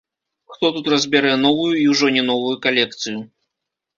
Хто тут разбярэ новую і ўжо не новую калекцыю.